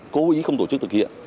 cố ý không tổ chức thực hiện